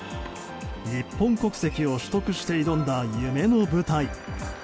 日本国籍を取得して挑んだ夢の舞台。